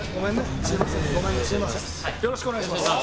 全然全然よろしくお願いします